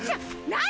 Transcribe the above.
何！？